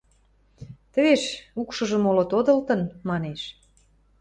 Тӹвеш, укшыжы моло тодылтын, – манеш.